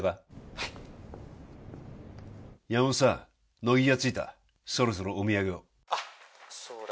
はい山本さん乃木が着いたそろそろお土産をあっそうだ